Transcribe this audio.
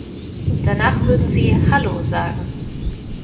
Danach würden Sie „Hallo!“ sagen.